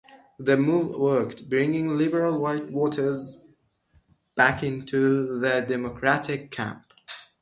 The move worked, bringing liberal white voters back into the Democratic camp.